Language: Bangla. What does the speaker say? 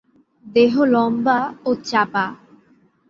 দেহ লম্বা ও চাপা।